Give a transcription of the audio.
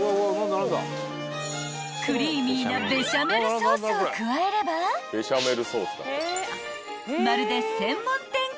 ［クリーミーなベシャメルソースを加えればまるで］